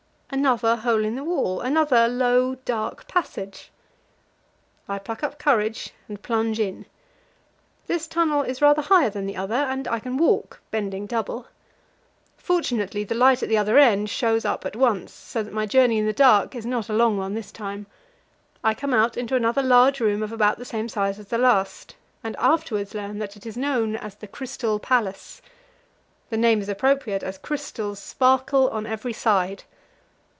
Another hole in the wall; another low, dark passage. I pluck up courage and plunge in. This tunnel is rather higher than the other, and I can walk, bending double. Fortunately, the light at the other end shows up at once, so that my journey in the dark is not a long one this time. I come out into another large room of about the same size as the last, and afterwards learn that it is known as the Crystal Palace. The name is appropriate, as crystals sparkle on every side.